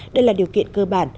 đây là điều kiện cơ bản